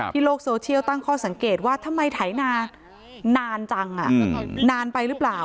โลกโซเชียลตั้งข้อสังเกตว่าทำไมไถนานานจังนานไปหรือเปล่า